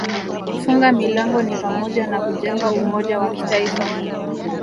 kufunga milango ni pamoja na kujenga umoja wa kitaifa